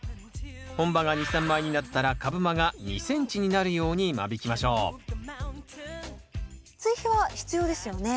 本葉が２３枚になったら株間が２ｃｍになるように間引きましょう追肥は必要ですよね？